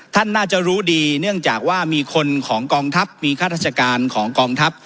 ท่านน่าจะรู้ดีเนื่องจากว่ามีคนของกองทัพมีข้าราชการของกองทัพ